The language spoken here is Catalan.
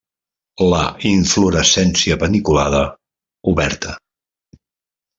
La inflorescència paniculada; oberta.